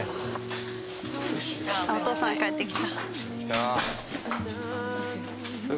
あっお父さん帰ってきた。